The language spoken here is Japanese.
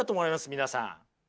皆さん。